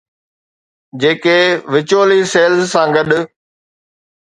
جيڪي وچولي سيلز سان گڏ؟